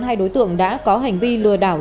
hai đối tượng đã có hành vi lừa đảo